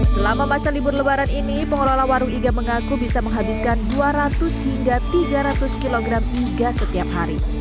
selama masa libur lebaran ini pengelola warung iga mengaku bisa menghabiskan dua ratus hingga tiga ratus kg iga setiap hari